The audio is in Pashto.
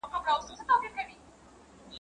چي سر نه وي گودر نه وي.